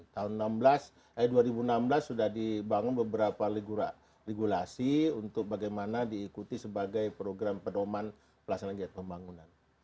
tahun dua ribu enam belas eh dua ribu enam belas sudah dibangun beberapa regulasi untuk bagaimana diikuti sebagai program penoman pelaksanaan jadwal pembangunan